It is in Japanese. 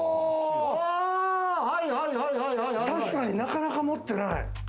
確かに、なかなか持ってない。